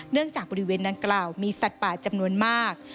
จากบริเวณดังกล่าวมีสัตว์ป่าจำนวนมาก